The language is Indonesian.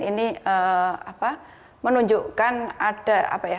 ini menunjukkan ada apa ya